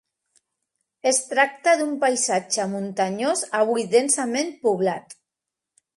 Es tracta d'un paisatge muntanyós, avui densament poblat.